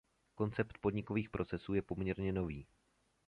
Koncept podnikových procesů je poměrně nový.